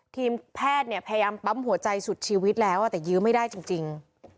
ทีมแพทย์เนี่ยพยายามปั๊มหัวใจสุดชีวิตแล้วแต่ยื้อไม่ได้จริง